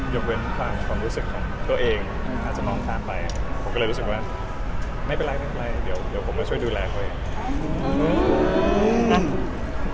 ยกเว้นความรู้สึกของตัวเองถ้าจะมองตามไปผมก็เลยรู้สึกว่าไม่เป็นไรไม่เป็นไรเดี๋ยวผมมาช่วยดูแลเขาเอง